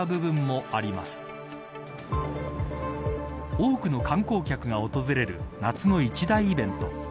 多くの観光客が訪れる夏の一大イベント。